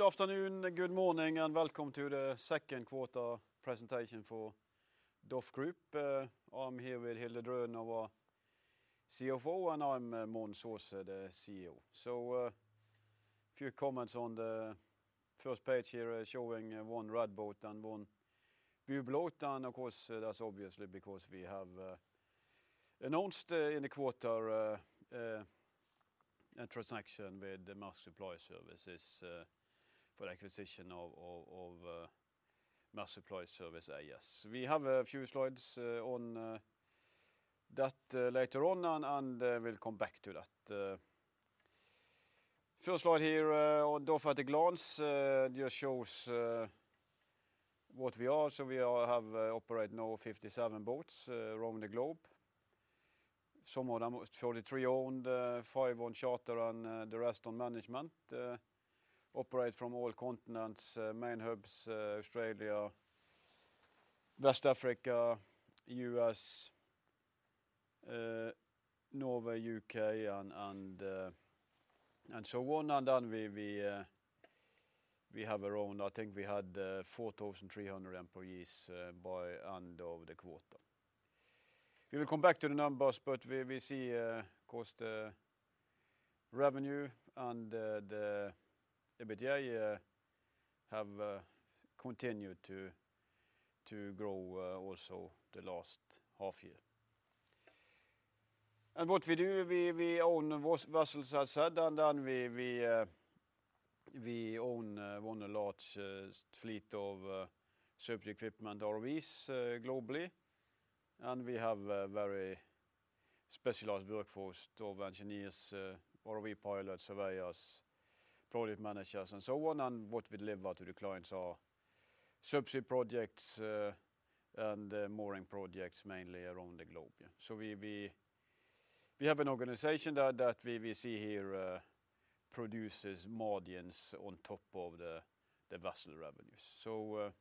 Good afternoon, good morning, and welcome to the second quarter presentation for DOF Group. I'm here with Hilde Drønen, our CFO, and I'm Mons S. Aas, the CEO. So, a few comments on the first page here, showing one red boat and one blue boat, and of course, that's obviously because we have announced in the quarter a transaction with the Maersk Supply Service for acquisition of Maersk Supply Service A/S. We have a few slides on that later on, and we'll come back to that. First slide here on DOF at a glance just shows what we are. So we are, have operate now fifty-seven boats around the globe. Some of them was thirty-three owned, five on charter, and the rest on management. We operate from all continents, main hubs, Australia, West Africa, U.S., Norway, U.K., and so on. And then we have around. I think we had 4,300 employees by end of the quarter. We will come back to the numbers, but we see, of course, the revenue and the EBITDA have continued to grow also the last half year. And what we do, we own vessels, as said, and then we own one of the large fleet of subsea equipment ROVs globally. And we have a very specialized workforce of engineers, ROV pilots, surveyors, project managers, and so on. And what we deliver to the clients are subsea projects and mooring projects, mainly around the globe, yeah. So we have an organization that we see here produces margins on top of the vessel revenues. So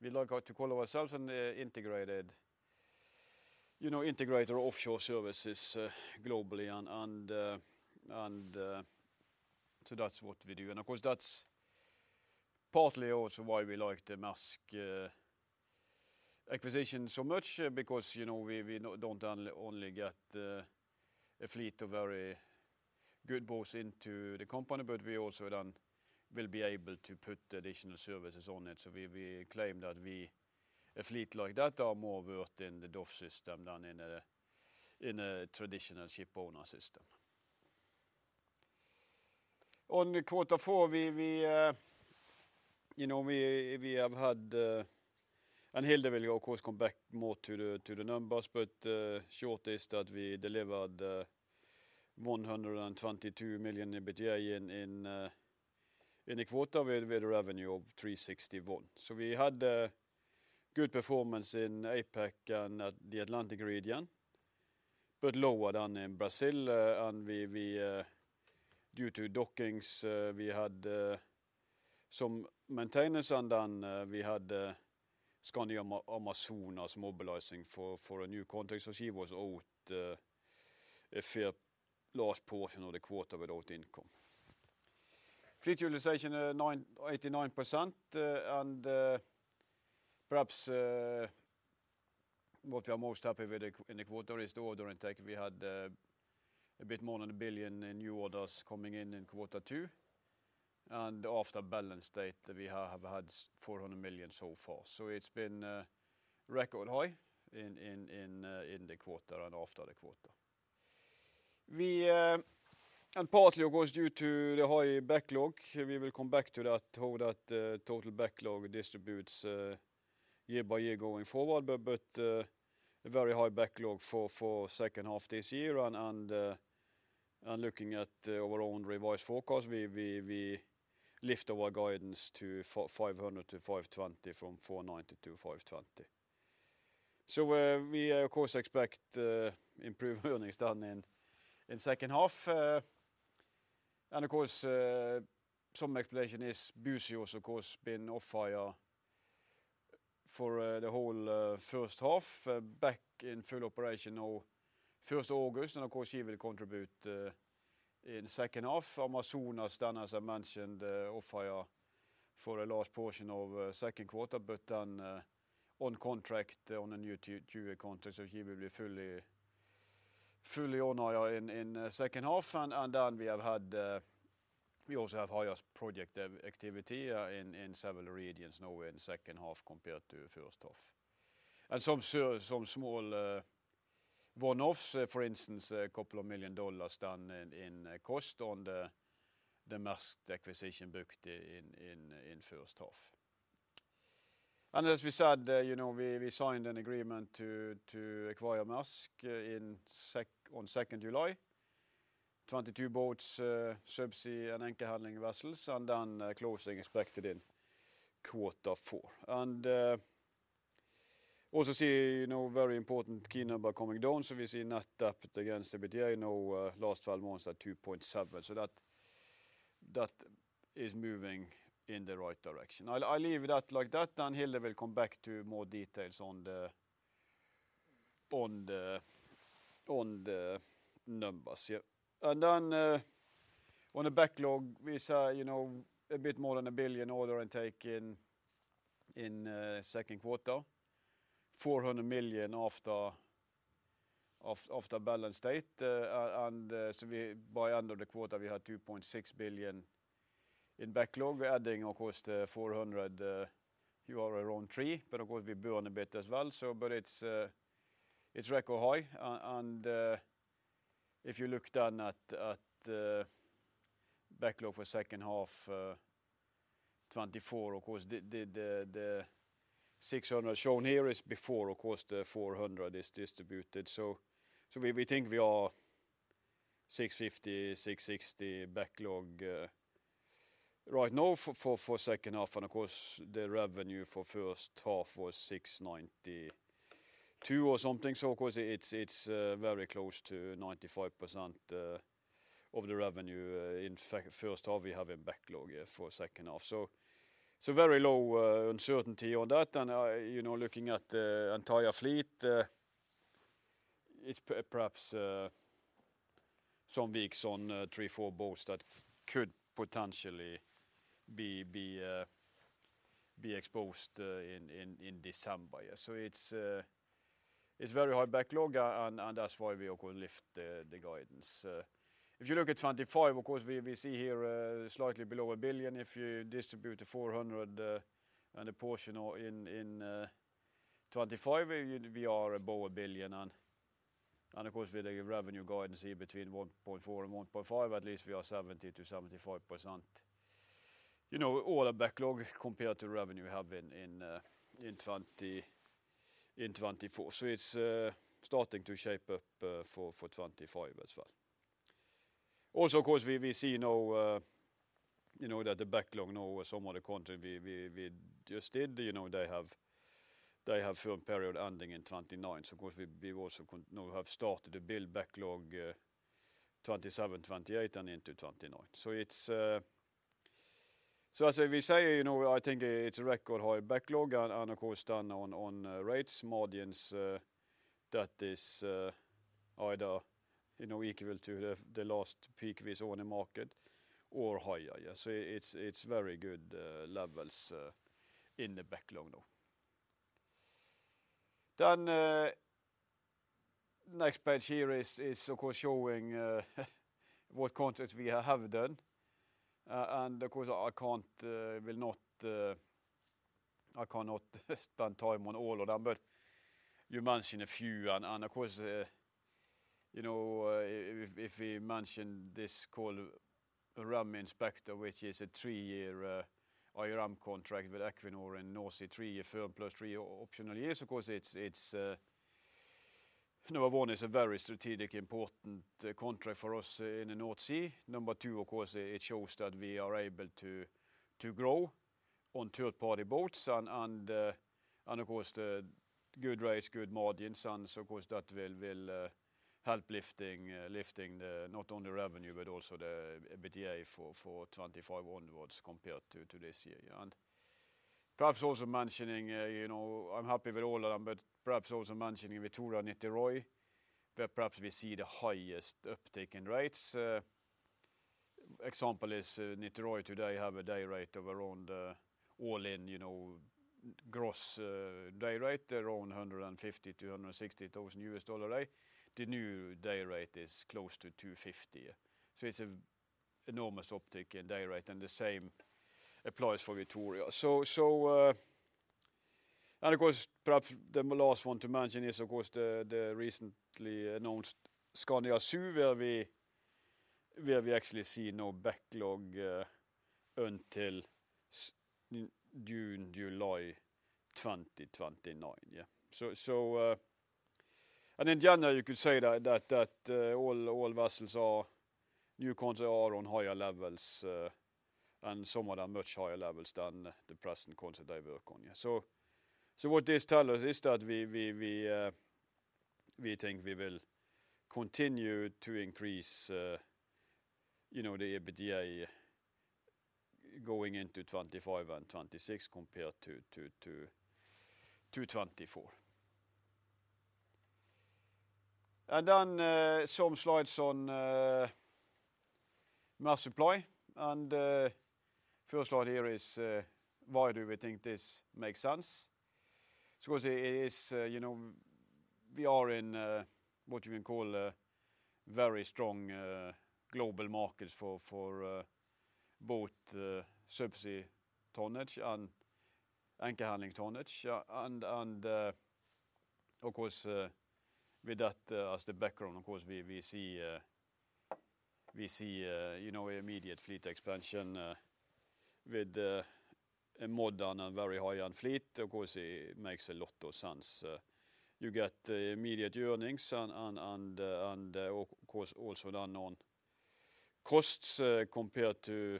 we like to call ourselves an integrated, you know, offshore services globally and so that's what we do. And of course that's partly also why we like the Maersk acquisition so much, because you know we don't only get a fleet of very good boats into the company, but we also then will be able to put additional services on it. So we claim that a fleet like that are more worth in the DOF system than in a traditional shipowner system. On quarter four we have had. Hilde will, of course, come back more to the numbers, but short is that we delivered $122 million EBITDA in the quarter with a revenue of $361. We had a good performance in APAC and in the Atlantic region, but lower than in Brazil, and we, due to dockings, had some maintenance, and then we had Skandi Amazonas mobilizing for a new contract. So she was out a fair last portion of the quarter without income. Fleet utilization 89%, and perhaps what we are most happy with in the quarter is the order intake. We had a bit more than $1 billion in new orders coming in in quarter two, and after balance date, we have had $400 million so far. It's been record high in the quarter and after the quarter. And partly, of course, due to the high backlog, we will come back to that, how that total backlog distributes year by year going forward, but a very high backlog for second half this year, and looking at our own revised forecast, we lift our guidance to $500-$520 from $490-$520. So we, of course, expect improved earnings in second half. And of course, some explanation is Búzios also, of course, been off-hire for the whole first half, back in full operation now first August, and of course, she will contribute in second half. Amazonas, then as I mentioned, off-hire for the last portion of second quarter, but then on contract, on a new two-year contract, so she will be fully on hire in second half. And then we also have highest project activity in several regions now in second half compared to first half. And some small one-offs, for instance, $2 million down in cost on the Maersk acquisition booked in first half. And as we said, you know, we signed an agreement to acquire Maersk on July 2. 22 boats, subsea and anchor handling vessels, and then closing expected in quarter four. And also see, you know, very important key number coming down, so we see net debt against EBITDA, you know, last twelve months at 2.7. So that is moving in the right direction. I'll leave that like that, and Hilde will come back to more details on the numbers, yeah. And then on the backlog, we saw, you know, a bit more than $1 billion order intake in second quarter. $400 million after balance sheet date. And so we, by end of the quarter, we had $2.6 billion in backlog. We're adding, of course, the $400. You're around 300, but of course, we build on a bit as well. So, but it's record high. And if you look then at backlog for second half 2024, of course, the $600 shown here is before, of course, the $400 is distributed. So we think we are $650-$660 backlog right now for second half, and of course, the revenue for first half was 692 or something. So of course, it's very close to 95% of the revenue. In fact, first half, we have a backlog, yeah, for second half. So very low uncertainty on that, and you know, looking at the entire fleet, it's perhaps some weeks on three, four boats that could potentially be exposed in December. It's very high backlog, and that's why we of course lift the guidance. If you look at 2025, of course, we see here slightly below $1 billion. If you distribute the 400 and the portion or in 2025, we are above $1 billion, and of course, with the revenue guidance here between $1.4 billion and $1.5 billion, at least we are 70%-75%. You know, all our backlog compared to revenue we have in 2024. So it's starting to shape up for 2025 as well. Also, of course, we see now, you know, that the backlog now with some of the contract we just did, you know, they have full period ending in 2029. So of course, we also now have started to build backlog 2027, 2028, and into 2029. So it's so as I will say, you know, I think it's a record high backlog, and of course, then on rates margins, that is either, you know, equal to the last peak we saw on the market or higher. Yeah. So it's very good levels in the backlog now. Then next page here is of course showing what contracts we have done. And of course, I cannot spend time on all of them, but you mention a few, and of course, you know, if we mention this called a Skandi Iceman, which is a three-year IRM contract with Equinor and North Sea, three-year firm, plus three optional years. Of course, it is number one, it is a very strategic, important contract for us in the North Sea. Number two, of course, it shows that we are able to grow on third-party boats and of course, the good rates, good margins, and so of course, that will help lifting the not only revenue, but also the EBITDA for 2025 onwards compared to this year. And perhaps also mentioning, you know, I'm happy with all of them, but perhaps also mentioning Skandi Vitoria, Skandi Niteroi, where perhaps we see the highest uptake in rates. Example is, Skandi Niteroi today have a day rate of around, all in, you know, gross, day rate, around $150,000-$160,000, right? The new day rate is close to $250,000. So it's an enormous uptake in day rate, and the same applies for Skandi Vitoria. So, so, and of course, perhaps the last one to mention is, of course, the, the recently announced Skandi Açu, where we actually see no backlog, until June, July 2029. Yeah. In general, you could say that all vessels' new contracts are on higher levels, and some of them much higher levels than the present contract they work on. Yeah. What this tells us is that we think we will continue to increase you know the EBITDA going into 2025 and 2026 compared to 2024. And then some slides on Maersk Supply, and first slide here is why do we think this makes sense? Of course it is you know we are in what you can call a very strong global market for both subsea tonnage and anchor handling tonnage. And of course, with that as the background, of course, we see, you know, immediate fleet expansion, with a modern and very high-end fleet, of course, it makes a lot of sense. You get immediate earnings and of course also then on costs, compared to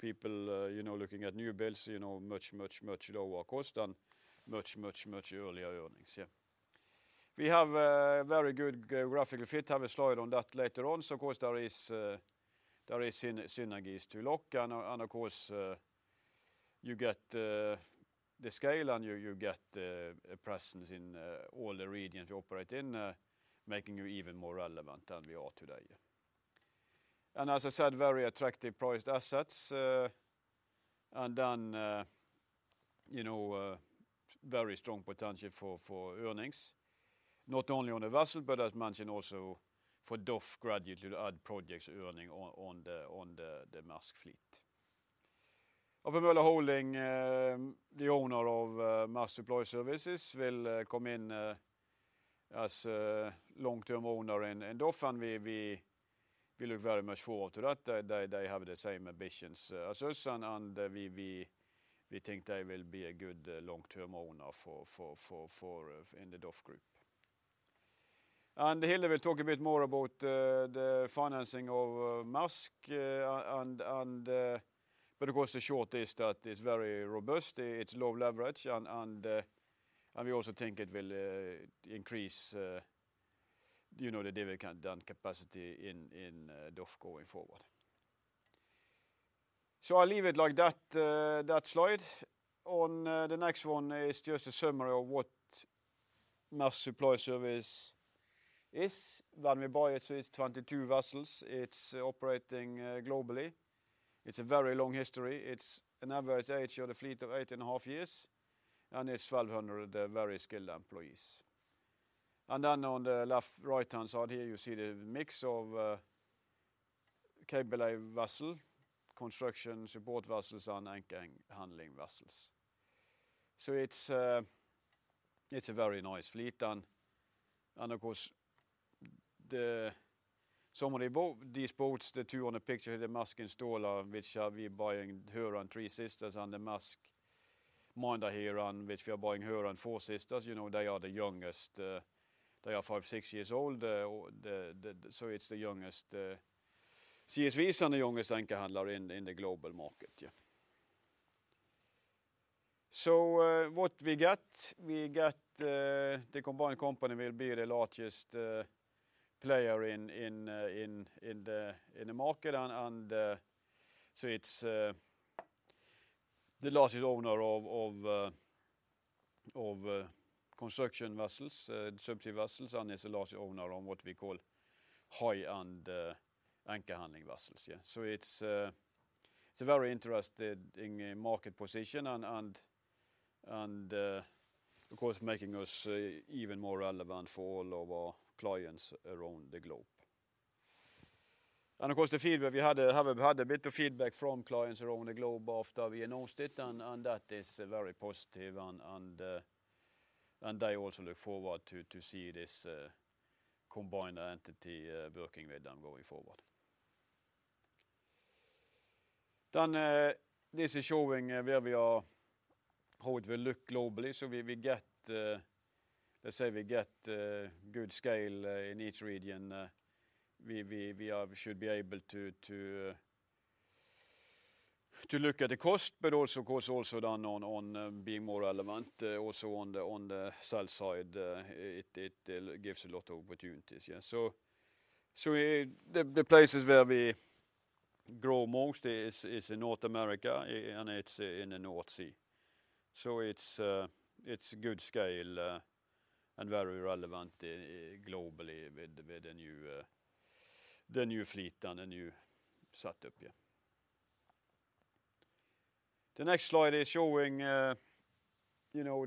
people, you know, looking at new builds, you know, much lower cost and much earlier earnings. Yeah. We have very good geographical fit. I have a slide on that later on. So of course, there is synergies to look and of course you get the scale and you get a presence in all the regions you operate in, making you even more relevant than we are today. As I said, very attractive priced assets, and then, you know, very strong potential for earnings, not only on the vessel, but as mentioned also for DOF gradually to add projects earning on the Maersk fleet. A.P. Møller Holding, the owner of Maersk Supply Service, will come in as a long-term owner in DOF, and we look very much forward to that. They have the same ambitions as us, and we think they will be a good long-term owner for in the DOF Group. Hilde will talk a bit more about the financing of Maersk, but of course, the short is that it's very robust, it's low leverage, and we also think it will increase, you know, the dividend and capacity in in DOF going forward. So I'll leave it like that slide. On the next one is just a summary of what Maersk Supply Service is. When we buy it, it's 22 vessels. It's operating globally. It's a very long history. It's an average age of the fleet of 18.5 years, and it's 1,200 very skilled employees. And then on the left, right-hand side here, you see the mix of cable layer vessel, construction support vessels, and anchor handling vessels. So it's a very nice fleet. Of course, these boats, the two on the picture, the Maersk Installer, which we buying here and three sisters, and the Maersk Minder here, and which we are buying here and four sisters, you know, they are the youngest. They are five, six years old. It's the youngest CSV and the youngest anchor handler in the global market, yeah. So, what we got? We got, the combined company will be the largest player in the market. And, so it's the largest owner of construction vessels, subsea vessels, and it's the largest owner of what we call high-end anchor handling vessels, yeah. It's a very interesting market position and of course making us even more relevant for all of our clients around the globe. And of course, we have had a bit of feedback from clients around the globe after we announced it, and that is very positive, and they also look forward to see this combined entity working with them going forward. Then this is showing where we are, how it will look globally. So we get, let's say, good scale in each region. We should be able to look at the cost, but also, of course, also then on being more relevant, also on the sell side, it gives a lot of opportunities, yeah. So the places where we grow most is in North America and it's in the North Sea. So it's a good scale and very relevant globally with the new fleet and the new setup, yeah. The next slide is showing you know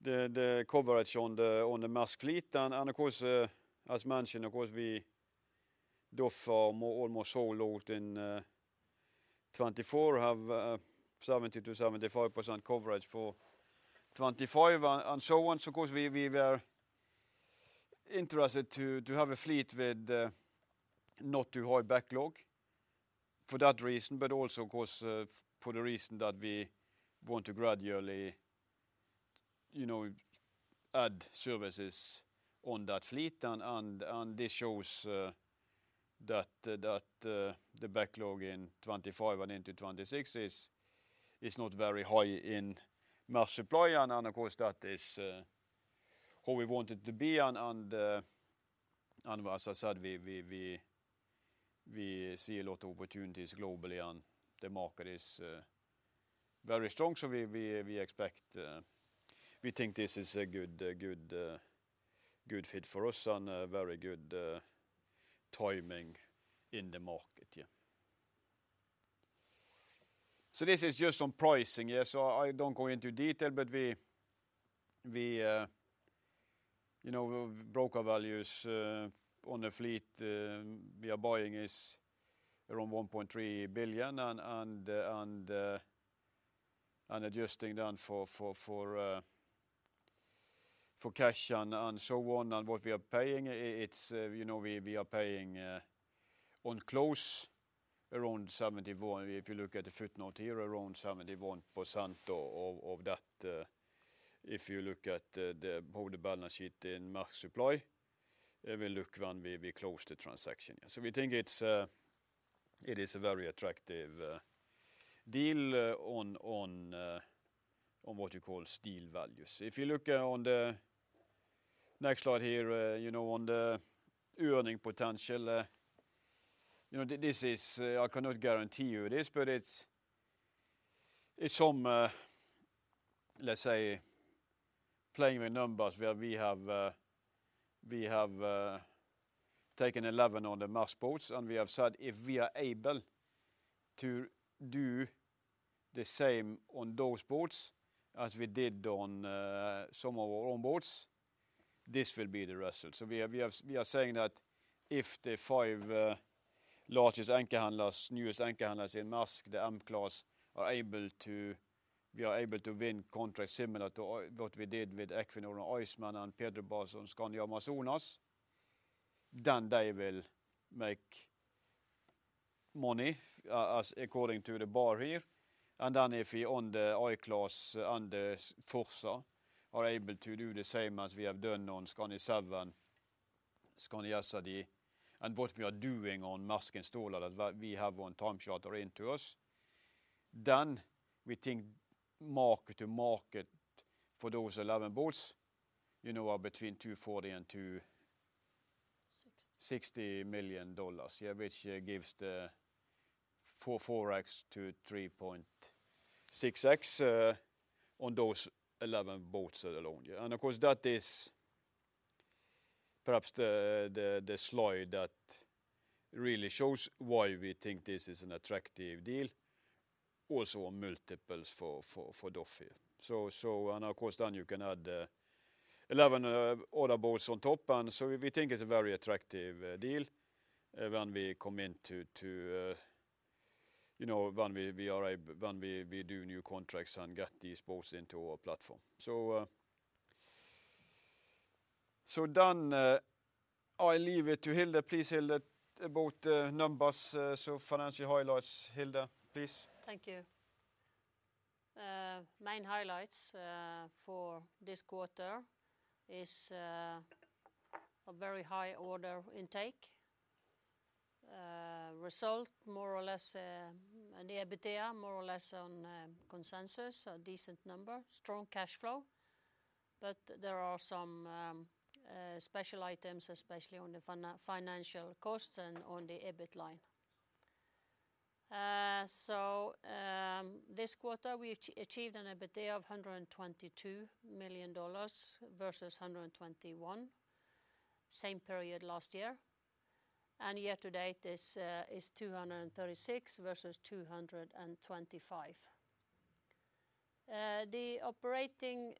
the coverage on the Maersk fleet, and of course, as mentioned, of course, we, DOF, are almost sold out in 2024, have 70%-75% coverage for 2025 and so on. So of course, we were interested to have a fleet with not too high backlog for that reason, but also of course for the reason that we want to gradually, you know, add services on that fleet. And this shows that the backlog in 2025 and into 2026 is not very high in Maersk Supply. And of course, that is how we want it to be, and as I said, we see a lot of opportunities globally and the market is very strong. So we expect we think this is a good fit for us and a very good timing in the market, yeah. So this is just on pricing, yeah. I don't go into detail, but we you know broker values on the fleet we are buying is around $1.3 billion, and adjusting down for cash and so on. And what we are paying, it's you know we are paying on close around 71%. If you look at the footnote here, around 71% of that, if you look at the how the balance sheet in Maersk Supply will look when we close the transaction. We think it's it is a very attractive deal on what you call steel values. If you look on the next slide here you know on the earning potential. You know, this is, I cannot guarantee you this, but it's from, let's say, playing with numbers where we have taken eleven on the Maersk boats, and we have said if we are able to do the same on those boats as we did on some of our own boats, this will be the result. So we are saying that if the five largest anchor handlers, newest anchor handlers in Maersk, the M class, are able to win contracts similar to what we did with Equinor and Iceman and Petrobras and Skandi Amazonas, then they will make money as according to the bar here. Then if we, on the I class and the Forza, are able to do the same as we have done on Skandi Seven, Skandi Skansen, and what we are doing on Maersk and Stord, that what we have on time charter to us, then we think market-to-market for those 11 boats, you know, are between 240 and 2- 60... $60 million. Yeah, which gives the 4x to 3.6x on those 11 boats alone. Yeah, and of course, that is perhaps the slide that really shows why we think this is an attractive deal, also on multiples for Dovre. And of course, then you can add 11 other boats on top, and so we think it's a very attractive deal when we come into to, you know, when we are when we do new contracts and get these boats into our platform. So then I leave it to Hilde. Please, Hilde, about numbers, so financial highlights. Hilde, please. Thank you. Main highlights for this quarter is a very high order intake. Result, more or less, the EBITDA, more or less on consensus, a decent number. Strong cash flow, but there are some special items, especially on the financial cost and on the EBIT line. So, this quarter, we achieved an EBITDA of $122 million versus $121 million, same period last year, and year to date is $236 million versus $225 million. The operating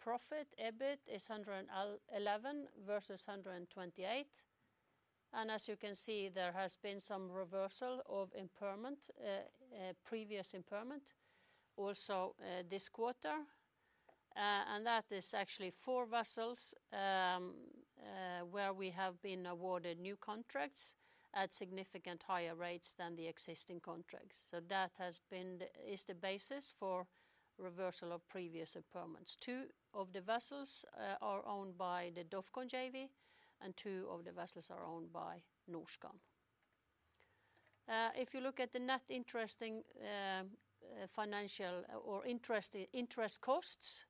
profit, EBIT, is $111 million versus $128 million. And as you can see, there has been some reversal of impairment, previous impairment, also this quarter. And that is actually four vessels where we have been awarded new contracts at significant higher rates than the existing contracts. So that has been the basis for reversal of previous impairments. Two of the vessels are owned by the DOFCON JV, and two of the vessels are owned by Norskan. If you look at the net interest costs,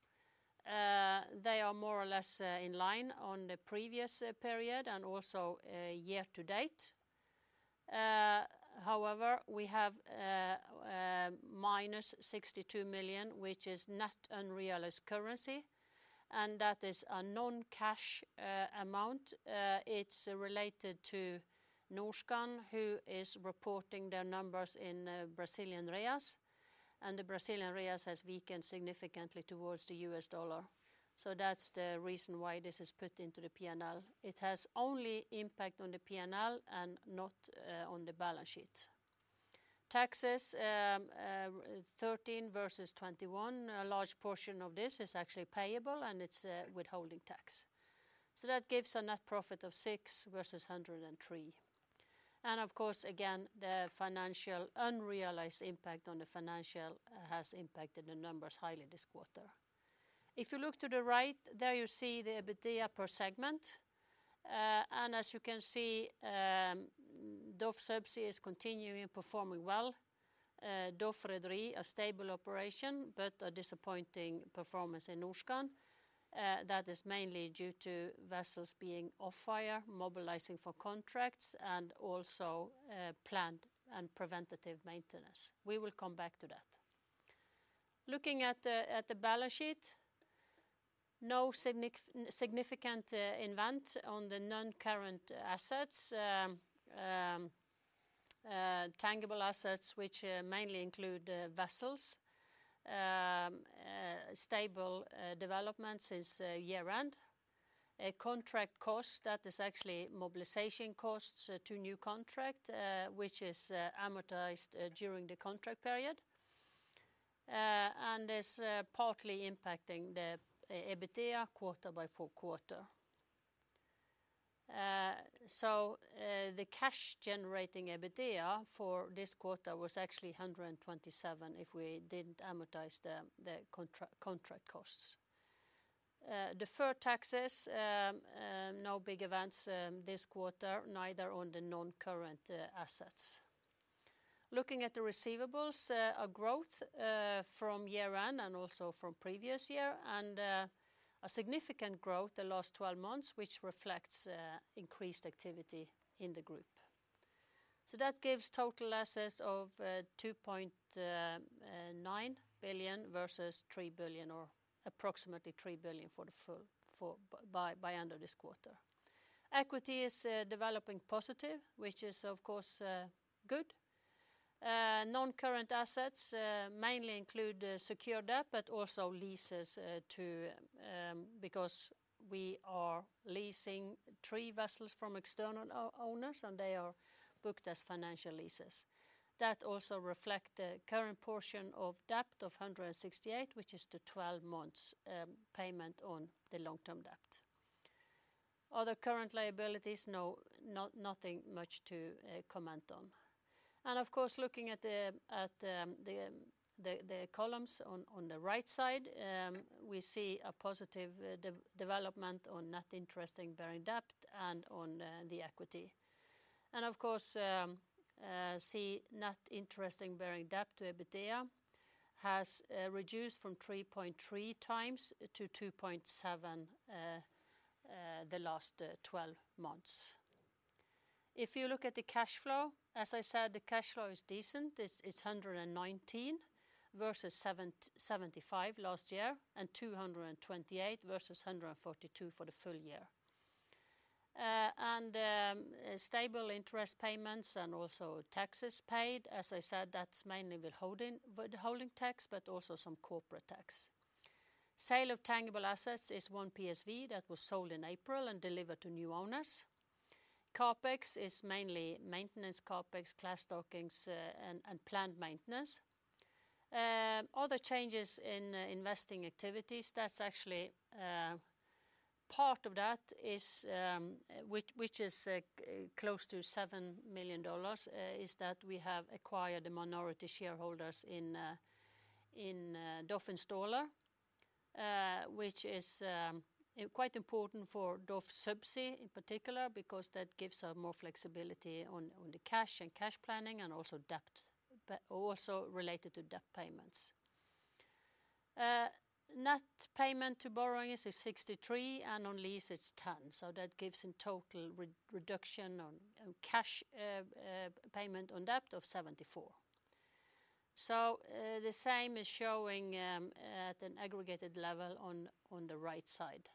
they are more or less in line on the previous period and also year to date. However, we have -$62 million, which is net unrealized currency, and that is a non-cash amount. It's related to Norskan, who is reporting their numbers in Brazilian reais, and the Brazilian reais has weakened significantly towards the US dollar. So that's the reason why this is put into the P&L. It has only impact on the P&L and not on the balance sheet. Taxes, 13 versus 21. A large portion of this is actually payable, and it's a withholding tax. So that gives a net profit of six versus hundred and three. And of course, again, the financial unrealized impact on the financial has impacted the numbers highly this quarter. If you look to the right, there you see the EBITDA per segment. And as you can see, DOF Subsea is continuing performing well. DOF Rederi, a stable operation, but a disappointing performance in Norskan. That is mainly due to vessels being off-hire, mobilizing for contracts, and also planned and preventative maintenance. We will come back to that. Looking at the balance sheet, no significant event on the non-current assets. Tangible assets, which mainly include vessels. Stable developments since year-end. A contract cost, that is actually mobilization costs to new contract, which is amortized during the contract period. And is partly impacting the EBITDA quarter by quarter. So, the cash-generating EBITDA for this quarter was actually 127 if we didn't amortize the contract costs. Deferred taxes, no big events this quarter, neither on the non-current assets. Looking at the receivables, a growth from year-end and also from previous year, and a significant growth the last 12 months, which reflects increased activity in the group. So that gives total assets of $2.9 billion versus $3 billion or approximately $3 billion for the full, by end of this quarter. Equity is developing positive, which is, of course, good. Non-current assets mainly include secured debt, but also leases to... Because we are leasing three vessels from external owners, and they are booked as financial leases. That also reflect the current portion of debt of 168, which is the twelve months payment on the long-term debt. Other current liabilities, nothing much to comment on. And of course, looking at the columns on the right side, we see a positive development on net interest-bearing debt and on the equity. Of course, the net interest-bearing debt to EBITDA has reduced from 3.3 times to 2.7 the last twelve months. If you look at the cash flow, as I said, the cash flow is decent. It's $119 versus $75 last year, and $228 versus $142 for the full year. Stable interest payments and also taxes paid. As I said, that's mainly withholding tax, but also some corporate tax. Sale of tangible assets is one PSV that was sold in April and delivered to new owners. CapEx is mainly maintenance CapEx, class dockings, and planned maintenance. Other changes in investing activities, that's actually. Part of that is, which is close to $7 million, is that we have acquired the minority shareholders in DOF Installer. Which is quite important for DOF Subsea in particular, because that gives us more flexibility on the cash and cash planning and also debt, but also related to debt payments. Net payment to borrowings is 63, and on lease, it's 10. So that gives in total reduction on cash payment on debt of 74. So, the same is showing at an aggregated level on the right side.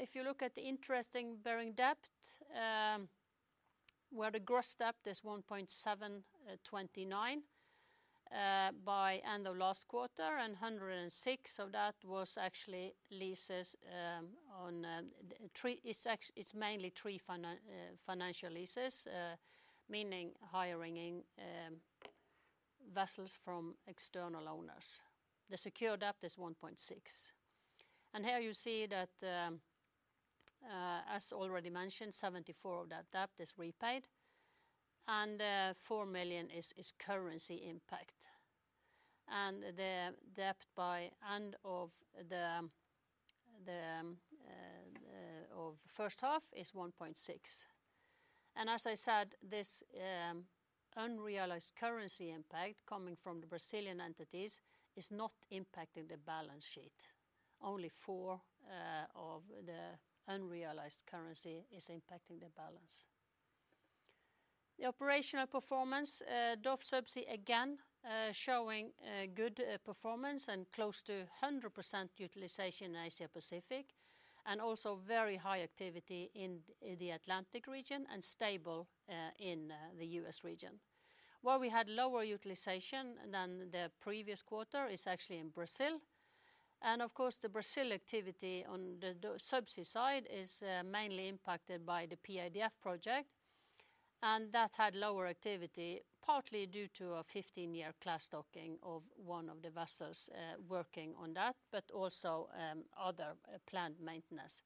If you look at the interest-bearing debt, where the gross debt is $1.729 billion by end of last quarter, and 106 of that was actually leases on three. It's mainly three financial leases, meaning hiring vessels from external owners. The secured debt is 1.6. And here you see that, as already mentioned, 74 of that debt is repaid, and four million is currency impact. And the debt by end of the first half is 1.6. And as I said, this unrealized currency impact coming from the Brazilian entities is not impacting the balance sheet. Only four of the unrealized currency is impacting the balance. The operational performance, DOF Subsea, again, showing good performance and close to 100% utilization in Asia Pacific, and also very high activity in the Atlantic region and stable in the US region. Where we had lower utilization than the previous quarter is actually in Brazil. And of course, the Brazil activity on the DOF Subsea side is mainly impacted by the PIDF project, and that had lower activity, partly due to a 15-year class docking of one of the vessels working on that, but also other planned maintenance.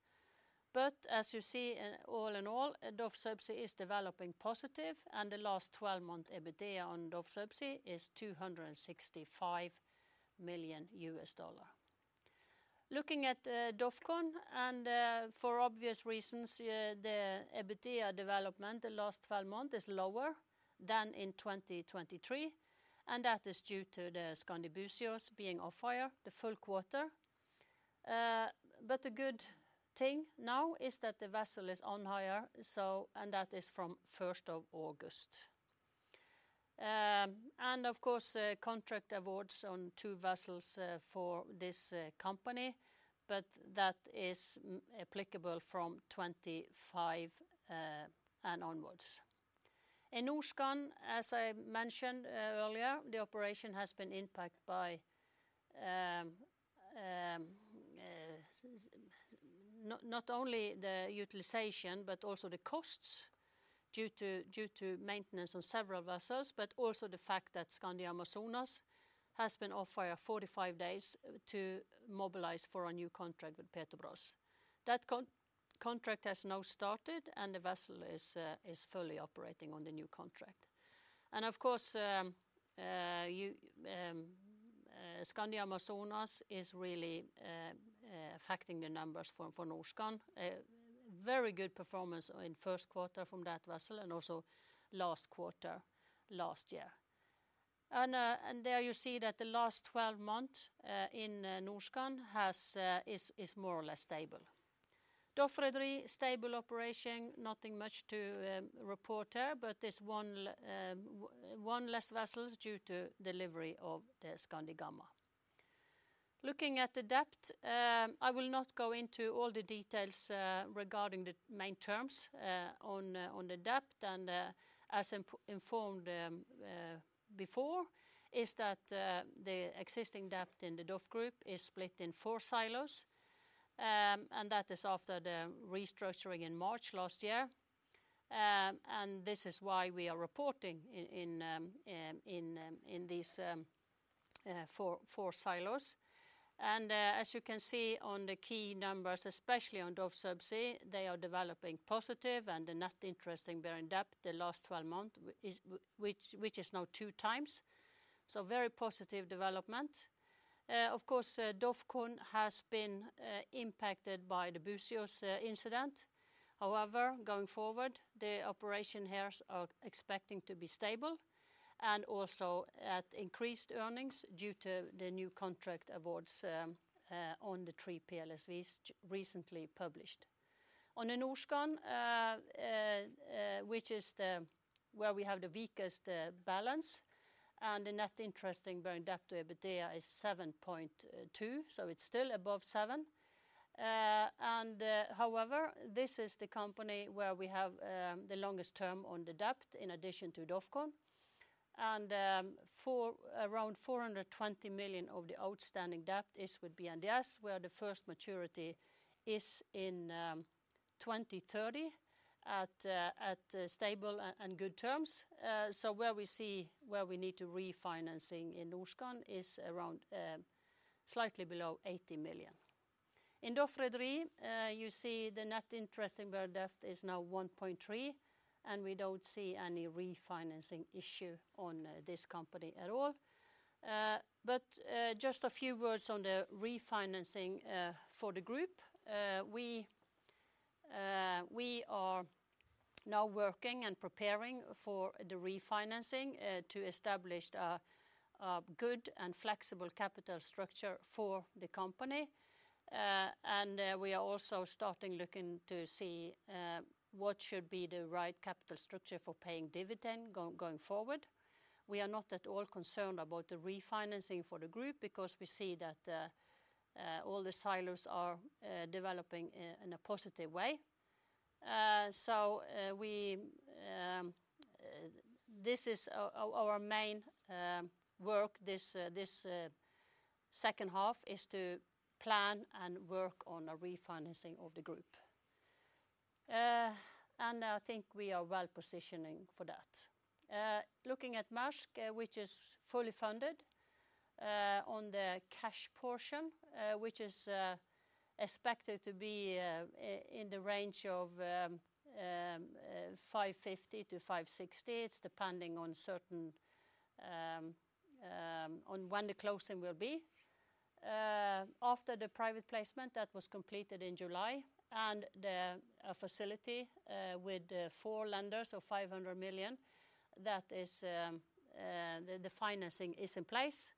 But as you see, all in all, DOF Subsea is developing positive, and the last 12-month EBITDA on DOF Subsea is $265 million. Looking at DOFCON, and for obvious reasons, the EBITDA development, the last 12 months, is lower than in 2023, and that is due to the Skandi Búzios being off-hire the full quarter. But the good thing now is that the vessel is on hire, so and that is from first of August. And of course, the contract awards on two vessels for this company, but that is applicable from 2025 and onwards. In Norskan, as I mentioned earlier, the operation has been impacted by not only the utilization, but also the costs due to maintenance on several vessels, but also the fact that Skandi Amazonas has been off-hire 45 days to mobilize for a new contract with Petrobras. That contract has now started, and the vessel is fully operating on the new contract. And of course, Skandi Amazonas is really affecting the numbers for Norskan. Very good performance in first quarter from that vessel and also last quarter, last year. There you see that the last twelve months in Norskan is more or less stable. DOF Rederi, stable operation, nothing much to report there, but there's one less vessels due to delivery of the Skandi Gamma. Looking at the debt, I will not go into all the details regarding the main terms on the debt and, as informed before, that the existing debt in the DOF Group is split in four silos. That is after the restructuring in March last year. This is why we are reporting in four silos. As you can see on the key numbers, especially on DOF Subsea, they are developing positive and the net interest bearing debt, the last twelve months is, which is now two times, so very positive development. Of course, DOFCON has been impacted by the Búzios incident. However, going forward, the operation here are expecting to be stable, and also at increased earnings due to the new contract awards on the three PLSVs recently published. On the Norskan, which is where we have the weakest balance, and the net interest bearing debt to EBITDA is 7.2, so it's still above seven. However, this is the company where we have the longest term on the debt, in addition to DOFCON. Around $420 million of the outstanding debt is with BNDES, where the first maturity is in 2030, at stable and good terms. So where we need to refinancing in Norskan is around slightly below $80 million. In DOF Rederi, you see the net interest bearing debt is now 1.3, and we don't see any refinancing issue on this company at all. But just a few words on the refinancing for the group. We are now working and preparing for the refinancing to establish a good and flexible capital structure for the company. And we are also starting looking to see what should be the right capital structure for paying dividend going forward. We are not at all concerned about the refinancing for the group because we see that all the silos are developing in a positive way. So this is our main work this second half is to plan and work on a refinancing of the group. And I think we are well positioning for that. Looking at Maersk, which is fully funded on the cash portion, which is expected to be in the range of $550-$560. It's depending on certain on when the closing will be. After the private placement that was completed in July and the facility with the four lenders of $500 million, that is the financing is in place.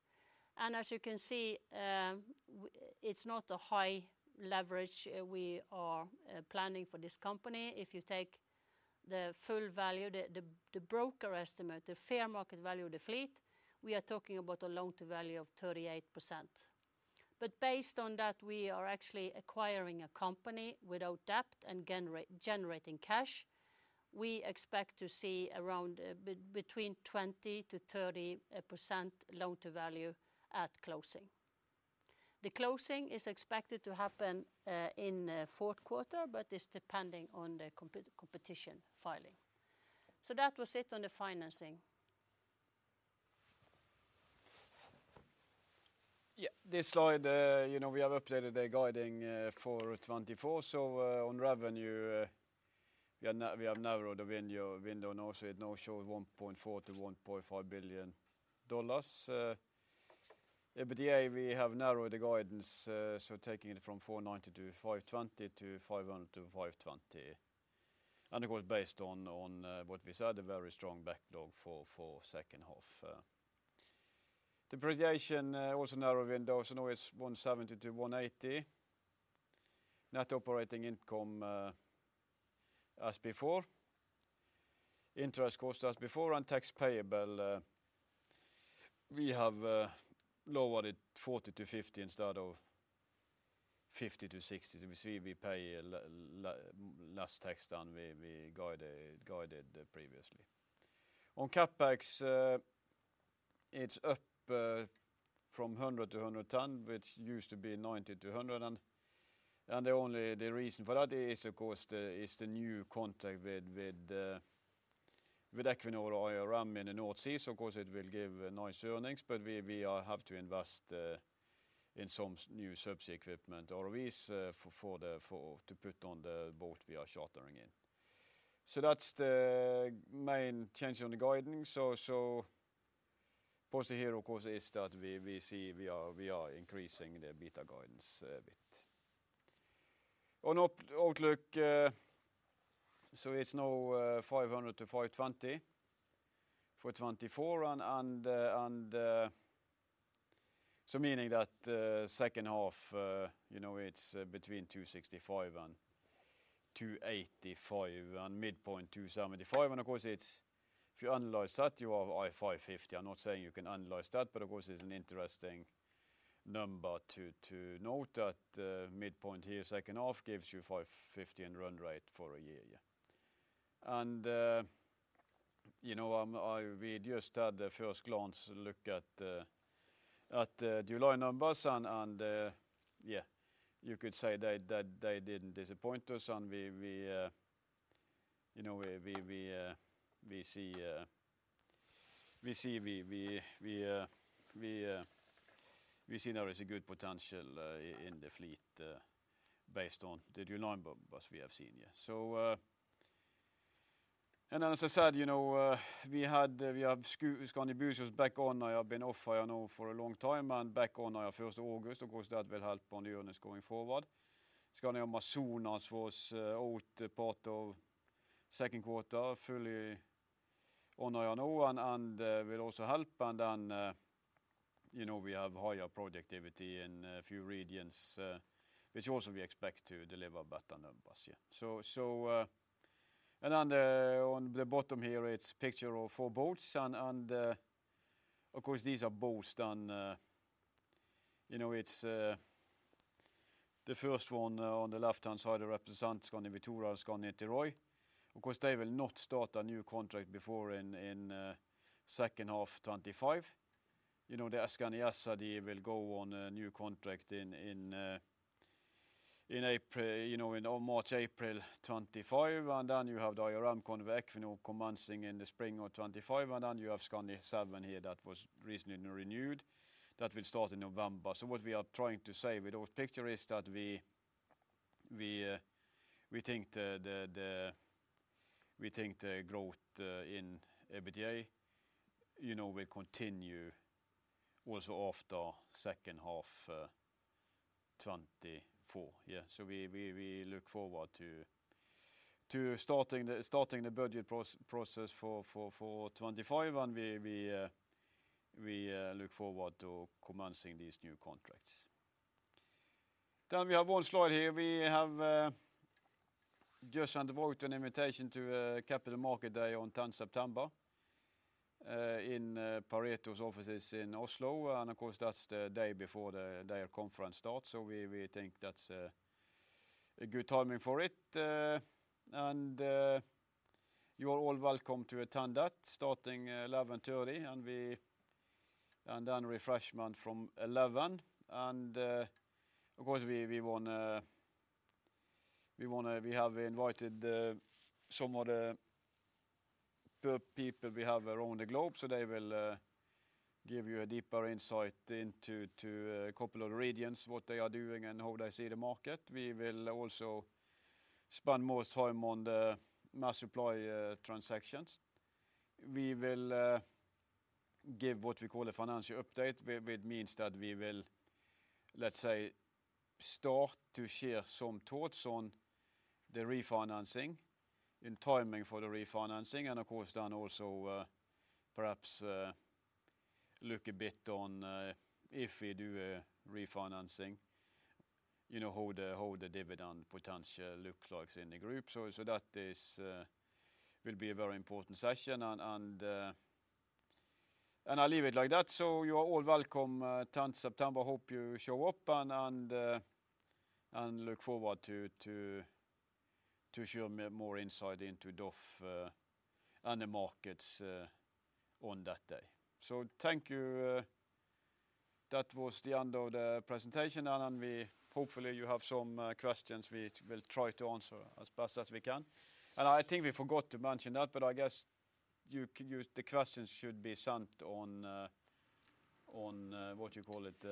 As you can see, it's not a high leverage we are planning for this company. If you take the full value, the broker estimate, the fair market value of the fleet, we are talking about a loan-to-value of 38%. But based on that, we are actually acquiring a company without debt and generating cash. We expect to see around between 20%-30% loan-to-value at closing. The closing is expected to happen in fourth quarter, but it's depending on the competition filing. So that was it on the financing. Yeah, this slide, you know, we have updated the guidance for 2024. So, on revenue, we have narrowed the window, and also it now shows $1.4-$1.5 billion. EBITDA, we have narrowed the guidance, so taking it from $490-$520 million to $500-$520 million. And of course, based on what we said, a very strong backlog for second half. Depreciation, also narrowing those, so now it's $170-$180 million. Net operating income, as before. Interest cost, as before, and tax payable, we have lowered it $40-$50 million instead of $50-$60 million. Which we pay less tax than we guided previously. On CapEx, it's up from $100-$110, which used to be $90-$100. And the only reason for that is, of course, is the new contract with Equinor IRM in the North Sea. So of course, it will give nice earnings, but we have to invest in some new subsea equipment or ROVs for to put on the boat we are chartering in. So that's the main change on the guiding. So positive here, of course, is that we are increasing the EBITDA guidance a bit. On outlook, so it's now $500-$520 for 2024, and so meaning that second half, you know, it's between $265 and $285, and midpoint $275. And of course, it's if you analyze that, you have five fifty. I'm not saying you can analyze that, but of course, it's an interesting number to note that midpoint here, second half gives you five fifty in run rate for a year. Yeah. And you know, we just had a first glance look at the July numbers, and yeah, you could say they didn't disappoint us, and we you know, we see there is a good potential in the fleet based on the July numbers we have seen. Yeah. So. Then, as I said, you know, we have Skandi Búzios back on. It has been off, I know, for a long time, and back on 1st August. Of course, that will help on the earnings going forward. Skandi Amazonas was out part of second quarter, fully on our own, and will also help. Then, you know, we have higher productivity in a few regions, which also we expect to deliver better numbers. Yeah. And on the bottom here, it's a picture of four boats, and of course, these are boats that, you know, it's the first one on the left-hand side represents Skandi Vitoria, Skandi Niteroi. Of course, they will not start a new contract before in second half 2025. You know, the Skandi Acergy, they will go on a new contract in March-April 2025. And then you have the IRM contract, you know, commencing in the spring of 2025, and then you have Skandi Seven here that was recently renewed, that will start in November. So what we are trying to say with those pictures is that we think the growth in EBITDA, you know, will continue also after second half of 2024. Yeah. So we look forward to starting the budget process for 2025, and we look forward to commencing these new contracts. Then we have one slide here. We have just sent out an invitation to Capital Markets Day on tenth September in Pareto's offices in Oslo, and of course, that's the day before the day our conference starts, so we think that's a good timing for it. You are all welcome to attend that, starting 11:30 A.M., and then refreshment from 11:00 A.M. Of course, we have invited some of the people we have around the globe, so they will give you a deeper insight into a couple of regions, what they are doing and how they see the market. We will also spend more time on the Maersk Supply transactions. We will give what we call a financial update, which means that we will, let's say, start to share some thoughts on the refinancing and timing for the refinancing, and of course, then also, perhaps, look a bit on if we do a refinancing, you know, how the dividend potential looks like in the group. So that will be a very important session, and I leave it like that. You are all welcome, tenth September. Hope you show up and look forward to share me more insight into DOF and the markets on that day. Thank you. That was the end of the presentation, and hopefully you have some questions we will try to answer as best as we can. And I think we forgot to mention that, but I guess you can use the questions should be sent on, what you call it.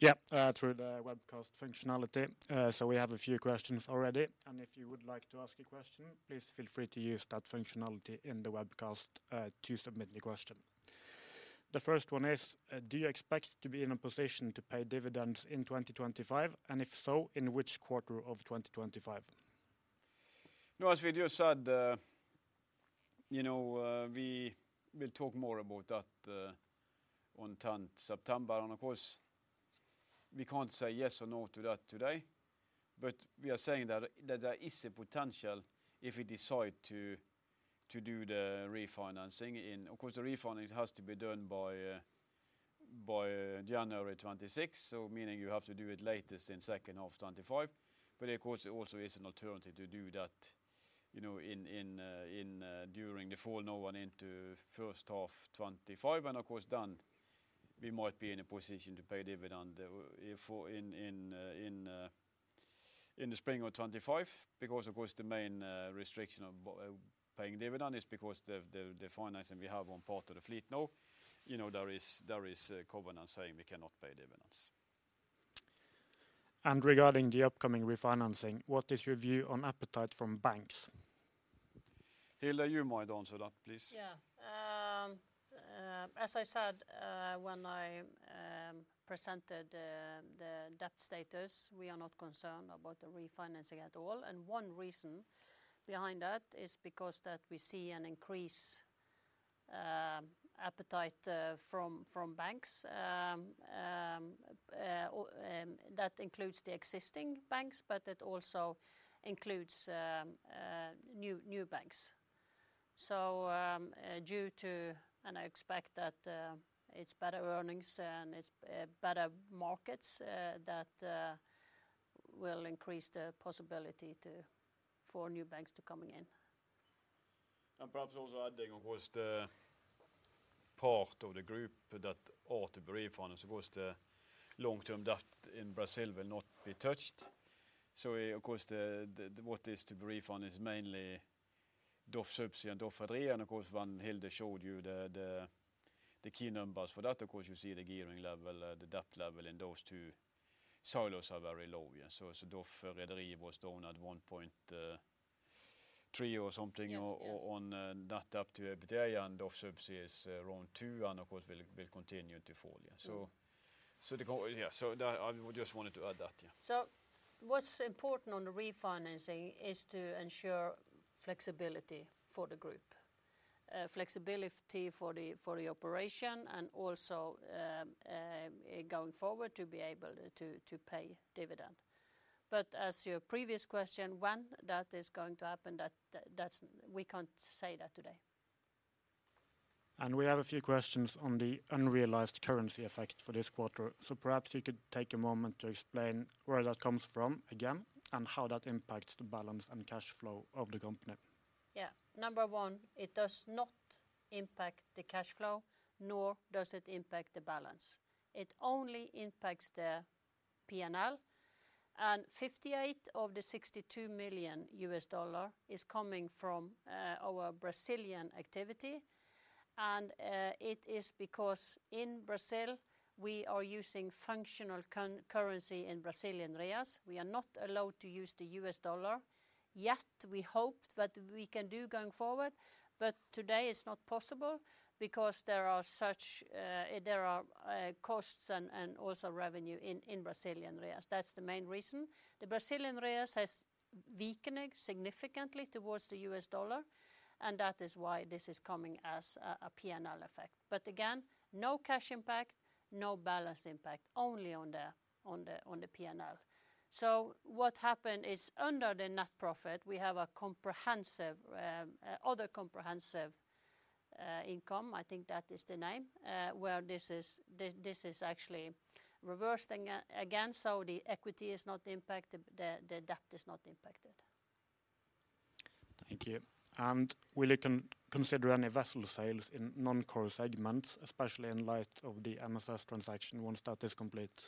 Yeah, through the webcast functionality. So we have a few questions already, and if you would like to ask a question, please feel free to use that functionality in the webcast, to submit your question. The first one is, "Do you expect to be in a position to pay dividends in2025, and if so, in which quarter of2025? No, as we just said, you know, we will talk more about that on tenth September, and of course, we can't say yes or no to that today, but we are saying that there is a potential if we decide to do the refinancing in... Of course, the refinancing has to be done by January 2026, so meaning you have to do it latest in second half 2025. But of course, there also is an alternative to do that, you know, in during the fall, now and into first half 2025. Of course, then we might be in a position to pay dividend if in the spring of 2025, because of course, the main restriction of paying dividend is because the financing we have on part of the fleet now. You know, there is a covenant saying we cannot pay dividends.... And regarding the upcoming refinancing, what is your view on appetite from banks? Hilde, you might answer that, please. Yeah. As I said, when I presented the debt status, we are not concerned about the refinancing at all. And one reason behind that is because that we see an increase appetite from banks. That includes the existing banks, but it also includes new banks. So, and I expect that it's better earnings and it's better markets that will increase the possibility to for new banks to coming in. Perhaps also adding, of course, the part of the group that ought to refinance, of course, the long-term debt in Brazil will not be touched. So, of course, what is to refinance is mainly DOF Subsea and DOF Rederi, and of course, when Hilde showed you the key numbers for that, of course, you see the gearing level, the debt level in those two silos are very low. Yeah, so DOF Rederi was down at 1.3 or something- Yes, yes... on net debt to EBITDA, and DOF Subsea is around two, and of course, will continue to fall. Yeah. So that I just wanted to add that, yeah. So what's important on the refinancing is to ensure flexibility for the group, flexibility for the operation and also going forward to be able to pay dividend. But as your previous question, when that is going to happen, we can't say that today. We have a few questions on the unrealized currency effect for this quarter. Perhaps you could take a moment to explain where that comes from again, and how that impacts the balance and cash flow of the company? Yeah. Number one, it does not impact the cash flow, nor does it impact the balance. It only impacts the P&L, and 58 of the 62 million US dollar is coming from our Brazilian activity, and it is because in Brazil, we are using functional currency in Brazilian reais. We are not allowed to use the US dollar, yet we hope that we can do going forward, but today it's not possible because there are such costs and also revenue in Brazilian reais. That's the main reason. The Brazilian reais has weakening significantly towards the US dollar, and that is why this is coming as a P&L effect. But again, no cash impact, no balance impact, only on the P&L. So what happened is, under the net profit, we have other comprehensive income, I think that is the name, where this is actually reversed again, so the equity is not impacted, the debt is not impacted. Thank you. And will you consider any vessel sales in non-core segments, especially in light of the MSS transaction, once that is complete?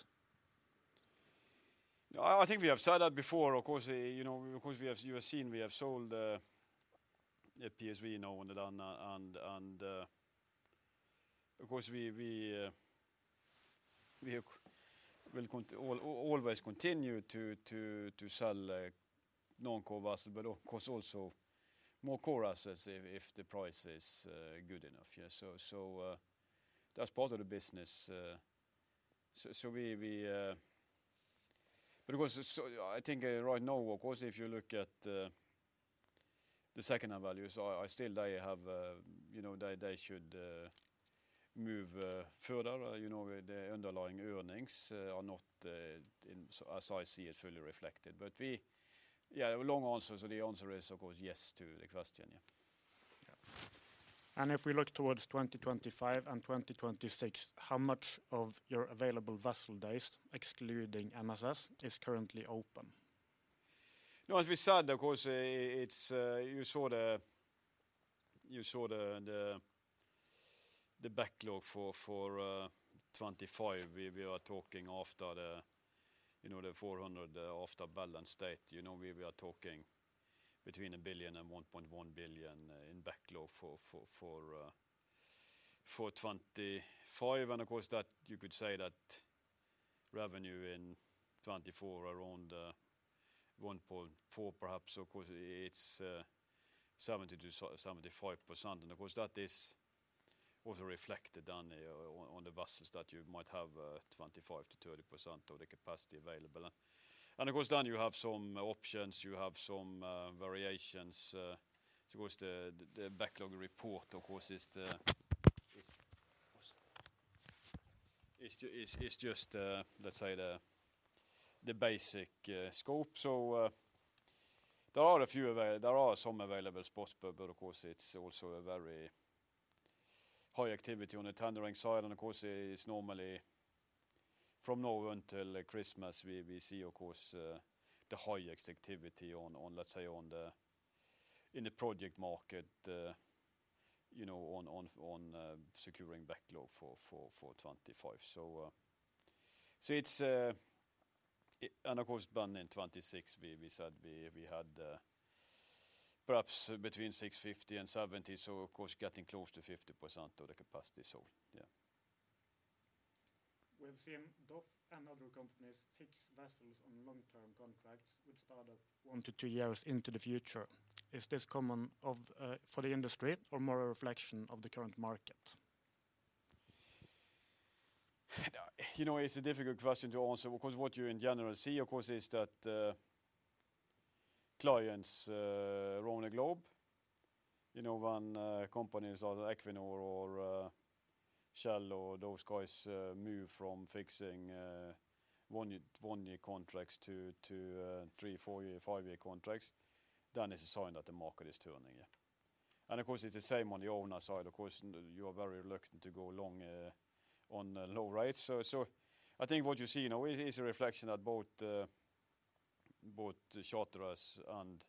I think we have said that before, of course, you know, of course, we have. You have seen we have sold a PSV now and then, and of course, we will always continue to sell non-core vessels, but of course, also more core assets if the price is good enough. Yeah, so that's part of the business. So we... But of course, so I think right now, of course, if you look at the second hand values, I still they have, you know, they should move further. You know, the underlying earnings are not, as I see it, fully reflected. But we... Yeah, a long answer, so the answer is, of course, yes, to the question. Yeah. Yeah, and if we look towards 2025 and 2026, how much of your available vessel days, excluding MSS, is currently open? As we said, of course, it's you saw the backlog for 2025. We are talking after the, you know, the four hundred after balance date, you know, we were talking between $1 billion and $1.1 billion in backlog for 2025. And of course, that you could say that revenue in 2024 around $1.4 billion, perhaps, of course, it's 70%-75%. And of course, that is also reflected on the vessels that you might have 25%-30% of the capacity available. And of course, then you have some options, you have some variations towards the backlog report, of course, is just, let's say, the basic scope. There are some available spots, but of course, it's also a very high activity on the tendering side. Of course, it's normally from now until Christmas, we see, of course, the highest activity on, let's say, in the project market, you know, on securing backlog for 2025. Of course, then in 2026, we said we had perhaps between 650 and 700, so of course, getting close to 50% of the capacity sold, yeah. We've seen DOF and other companies fix vessels on long-term contracts, which start up one to two years into the future. Is this common of, for the industry or more a reflection of the current market? You know, it's a difficult question to answer, because what you in general see, of course, is that clients around the globe, you know, when companies like Equinor or Shell or those guys move from fixing one-year contracts to three, four-year, five-year contracts, then it's a sign that the market is turning, yeah. And of course, it's the same on the owner side. Of course, you are very reluctant to go long on low rates. So, I think what you see now is a reflection that both the charterers and,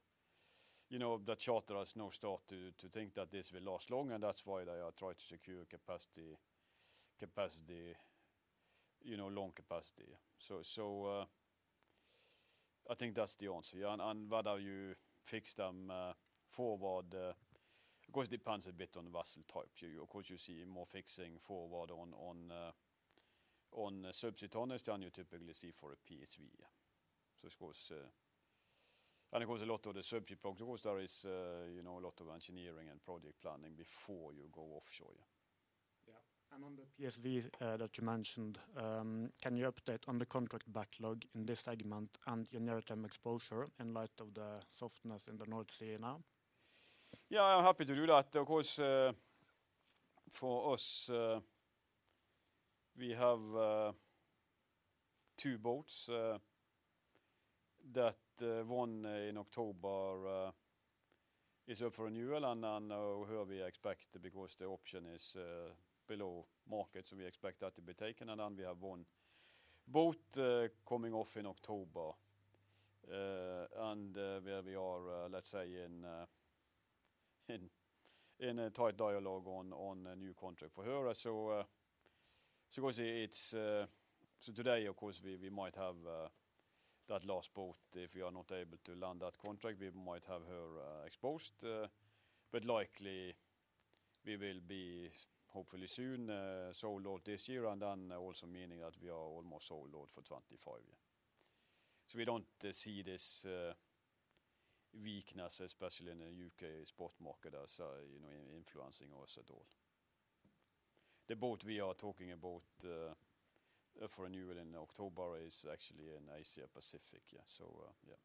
you know, the charterers now start to think that this will last long, and that's why they are trying to secure capacity, you know, long capacity. So, I think that's the answer, yeah. Whether you fix them forward, of course, it depends a bit on the vessel type. Of course, you see more fixing forward on subsea tonnages than you typically see for a PSV, yeah. Of course, a lot of the subsea projects, of course, there is, you know, a lot of engineering and project planning before you go offshore, yeah. Yeah. And on the PSV that you mentioned, can you update on the contract backlog in this segment and your near-term exposure in light of the softness in the North Sea now? Yeah, I'm happy to do that. Of course, for us we have two boats that one in October is up for renewal, and then we expect because the option is below market, so we expect that to be taken, and then we have one boat coming off in October, and where we are, let's say, in a tight dialogue on a new contract for her, so of course it's so today of course we might have that last boat, if we are not able to land that contract, we might have her exposed, but likely we will be hopefully soon sold out this year, and then also meaning that we are almost sold out for 2025, yeah. So we don't see this weakness, especially in the U.K. spot market, as you know, influencing us at all. The boat we are talking about up for renewal in October is actually in Asia Pacific, yeah. So, yeah.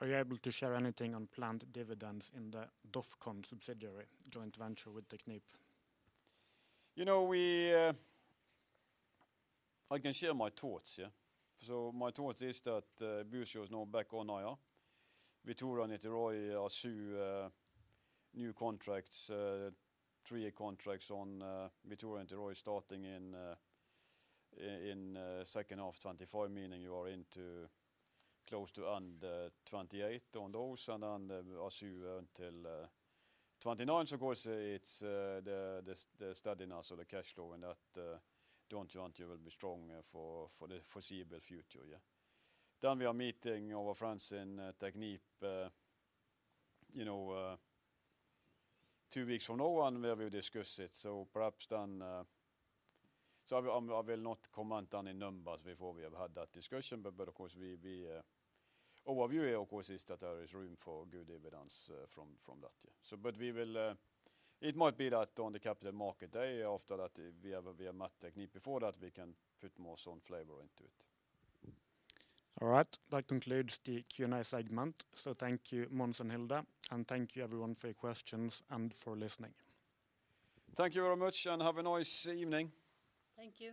Are you able to share anything on planned dividends in the DOFCON subsidiary, joint venture with Technip? You know, I can share my thoughts, yeah. So my thoughts is that, Búzios is now back on IR. Vitoria and Niteroi are two new contracts, three contracts on Vitoria and Niteroi starting in second half 2025, meaning you are into close to end 2028 on those, and then as you until 2029. So of course, it's the steadiness of the cash flow, and that don't want you will be strong for the foreseeable future, yeah. Then we are meeting our friends in Technip, you know, two weeks from now, and where we discuss it. Perhaps then, I will not comment on any numbers before we have had that discussion, but of course our overview of course is that there is room for good dividends from that, yeah. But we will. It might be that on the Capital Markets Day, after that we have met Technip before that, we can put some more flavor into it. All right. That concludes the Q&A segment. So thank you, Mons and Hilde, and thank you everyone for your questions and for listening. Thank you very much, and have a nice evening. Thank you.